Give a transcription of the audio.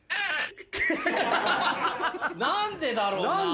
何でだろうなぁ。